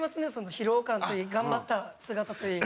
疲労感といい頑張った姿といい。